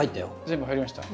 全部入りました？